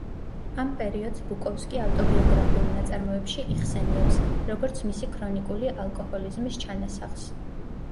ამ პერიოდს ბუკოვსკი ავტობიოგრაფიულ ნაწარმოებში იხსენიებს, როგორც მისი ქრონიკული ალკოჰოლიზმის ჩანასახს.